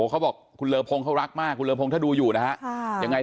เขาบอกคุณเลอพงเขารักมากคุณเลอพงถ้าดูอยู่นะฮะยังไง